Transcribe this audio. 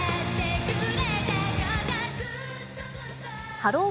ハロー！